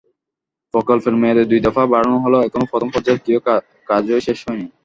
প্রকল্পের মেয়াদ দুই দফা বাড়ানো হলেও এখনো প্রথম পর্যায়ের কাজই শেষ হয়নি।